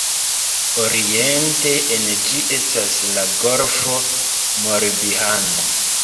Oriente en ĝi estas la Golfo Morbihan.